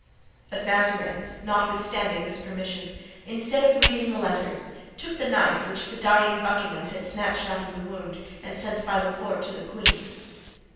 But Mazarin, notwithstanding this permission, instead of reading the letters, took the knife which the dying Buckingham had snatched out of the wound and sent by Laporte to the queen.